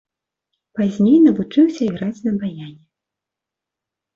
Пазней навучыўся іграць на баяне.